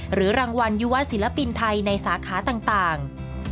หรือรางวัลยุวะศิลปินไทยในสาขาต่าง